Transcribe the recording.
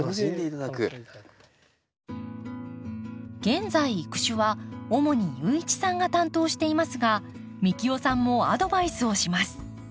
現在育種は主に雄一さんが担当していますが幹雄さんもアドバイスをします。